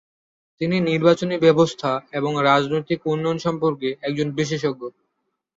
তিনি নির্বাচনী ব্যবস্থা এবং রাজনৈতিক উন্নয়ন সম্পর্কে একজন বিশেষজ্ঞ।